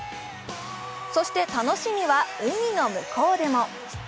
そして、楽しみは海の向こうでも。